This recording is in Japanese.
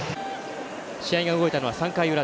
試合が動いたのは３回裏。